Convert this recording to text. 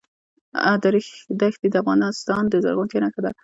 د ریګ دښتې د افغانستان د زرغونتیا نښه ده.